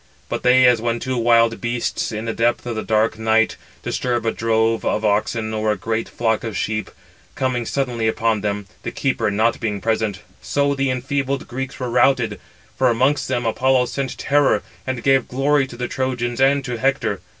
But they, as when two wild beasts, in the depth of the dark night, 495 disturb a drove of oxen or a great flock of sheep, coming suddenly upon them, the keeper not being present—so the enfeebled Greeks were routed; for amongst them Apollo sent terror, and gave glory to the Trojans and to Hector.